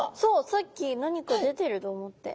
さっき何か出てると思って。